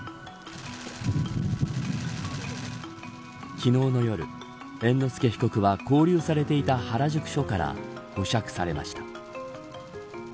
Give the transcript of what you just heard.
昨日の夜、猿之助被告は勾留されていた原宿署から保釈されました。